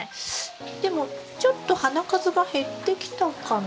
でもちょっと花数が減ってきたかな？